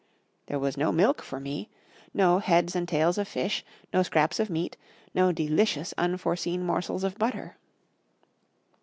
There was no milk for me no heads and tails of fish no scraps of meat no delicious unforeseen morsels of butter.